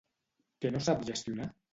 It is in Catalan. Què no sap gestionar?